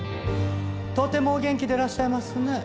とてもお元気でいらっしゃいますね。